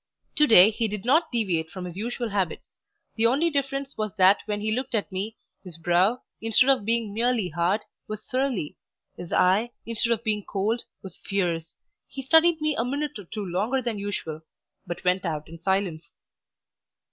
Today he did not deviate from his usual habits; the only difference was that when he looked at me, his brow, instead of being merely hard, was surly; his eye, instead of being cold, was fierce. He studied me a minute or two longer than usual, but went out in silence.